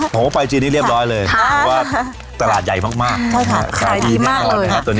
โหไปจีนนี่เรียบร้อยเลยเพราะว่าตลาดใหญ่มากขายดีมากเลย